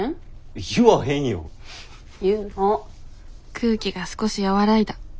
空気が少し和らいだ。